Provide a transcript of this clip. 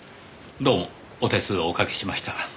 どうもお手数をおかけしました。